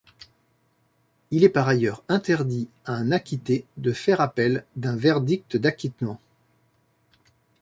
Il est par ailleurs interdit à un acquitté de faire appel d'un verdict d'acquittement.